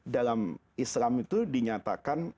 dalam islam itu dinyatakan